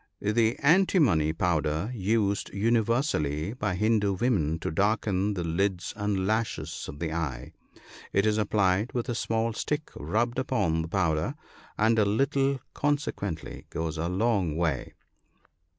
The antimony powder used universally by Hindoo women to darken the lids and lashes of the eye. It is applied with a small stick rubbed upon the powder, and a little consequently goes a long way.